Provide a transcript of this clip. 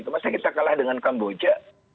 masa kita kalah dengan kamboja